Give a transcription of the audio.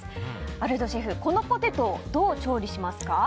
アルドシェフ、このポテトをどう調理しますか？